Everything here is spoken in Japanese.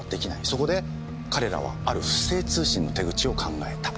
そこで彼らはある不正通信の手口を考えた。